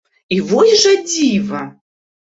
І вось жа дзіва!